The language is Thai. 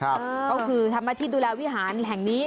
ก็คือทำหน้าที่ดูแลวิหารแห่งนี้